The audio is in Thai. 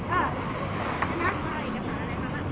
อ๋อใช่ไหมมันได้เลยเขาเนี่ย